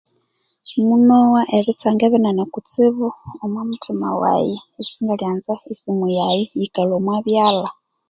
Munowa ebitsange binene kutsibu omwamutima waghe nerithanza esimu yaghe yikalhwa omwabyalha bawe